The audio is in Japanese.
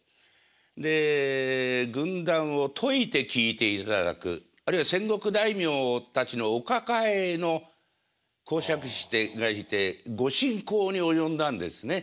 で軍談を説いて聴いていただくあるいは戦国大名たちのお抱えの講釈師がいてご進講に及んだんですね。